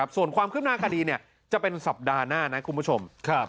ส่วนความคืบหน้าคดีจะเป็นสัปดาห์หน้านะคุณผู้ชม